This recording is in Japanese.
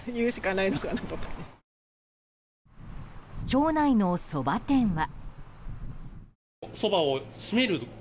町内のそば店は。